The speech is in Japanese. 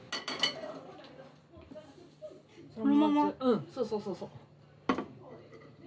うんそうそうそうそう。